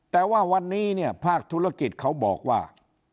แต่ว่าวันนี้เนี่ยภาคธุรกิจเขาบอกว่า